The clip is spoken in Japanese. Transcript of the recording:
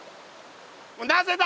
なぜだ？